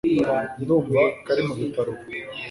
Ndumva ko ari mubitaro ubu